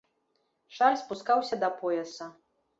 Шаль спускаўся да пояса.